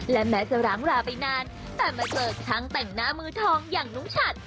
และแม้จะร้างลาไปนานแต่มาเจอช่างแต่งหน้ามือทองอย่างนุ้งฉัน